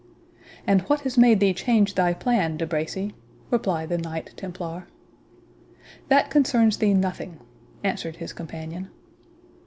"And what has made thee change thy plan, De Bracy?" replied the Knight Templar. "That concerns thee nothing," answered his companion.